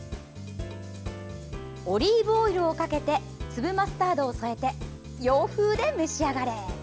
オリーブオイルをかけて粒マスタードを添えて洋風で召し上がれ。